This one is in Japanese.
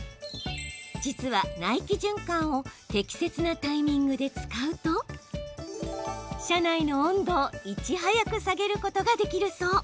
実は、内気循環を適切なタイミングで使うと車内の温度をいち早く下げることができるそう。